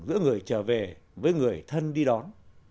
giữa người trở về với người thân đi đón